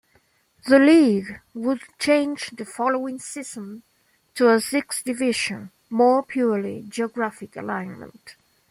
The league would change the following season to a six-division, more purely geographic alignment.